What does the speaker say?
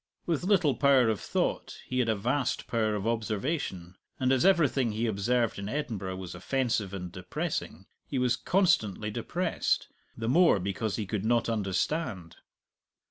With little power of thought, he had a vast power of observation; and as everything he observed in Edinburgh was offensive and depressing, he was constantly depressed the more because he could not understand.